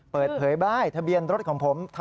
เปิดเผยบ้ายทะเบียนรถของผม